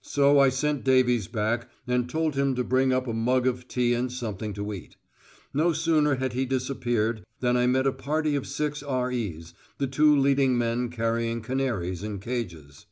So I sent Davies back and told him to bring up a mug of tea and something to eat. No sooner had he disappeared than I met a party of six R.E.'s, the two leading men carrying canaries in cages.